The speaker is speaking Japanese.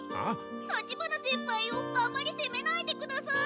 立花先輩をあんまり責めないでください。